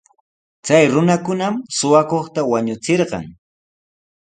Chay runakunam suqakuqta wañuchirqan.